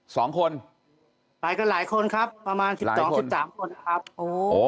สองคนไปกันหลายคนครับประมาณสิบสองสิบสามคนนะครับโอ้